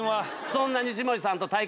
そんな西森さんと。